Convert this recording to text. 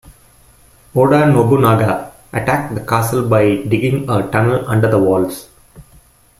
Oda Nobunaga attacked the castle by digging a tunnel under the walls.